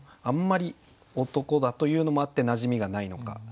あんまり男だというのもあってなじみがないのか。